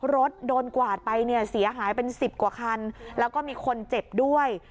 รถโดนกวาดไปเนี่ยเสียหายเป็นสิบกว่าคันแล้วก็มีคนเจ็บด้วย